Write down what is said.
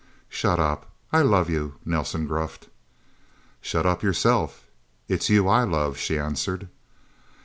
"Shut up I love you," Nelsen gruffed. "Shut up yourself it's you I love," she answered.